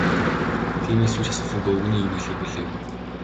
Тиймээс юу ч асуусангүй, өвгөний юу хэлэхийг хүлээв.